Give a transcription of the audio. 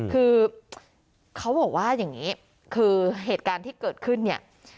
เขาบอกว่าแบบนี้เหตุการณ์ที่เกิดขึ้นเนี่ย